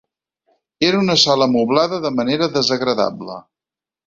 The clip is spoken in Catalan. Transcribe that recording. Era una sala moblada de manera desagradable.